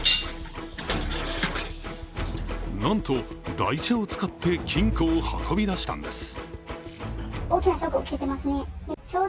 なんと台車を使って金庫を運び出したんです。